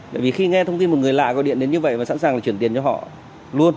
bởi vì khi nghe thông tin một người lạ gọi điện đến như vậy và sẵn sàng là chuyển tiền cho họ luôn